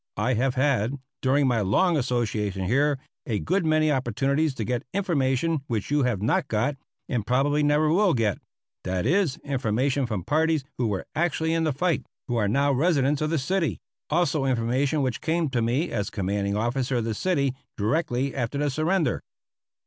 I have had, during my long association here, a good many opportunities to get information which you have not got and probably never will get; that is, information from parties who were actually in the fight, who are now residents of the city; also information which came to me as commanding officer of the city directly after the surrender.